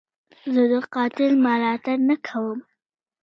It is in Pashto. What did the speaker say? زه د قاتل ملاتړ نه کوم.